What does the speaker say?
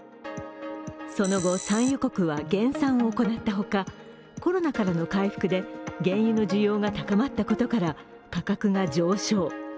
その後、産油国は減産を行った他、コロナからの回復で原油の需要が高まったことから価格が上昇。